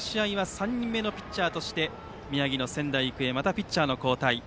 ３人目のピッチャーとして宮城の仙台育英またピッチャーの交代。